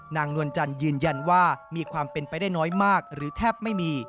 นวลจันทร์ยืนยันว่ามีความเป็นไปได้น้อยมากหรือแทบไม่มี